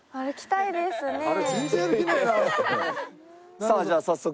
さあじゃあ早速。